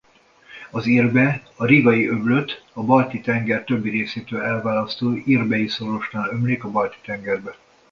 Az Irbe a Rigai-öblöt a Balti-tenger többi részétől elválasztó Irbei-szorosnál ömlik a Balti-tengerbe.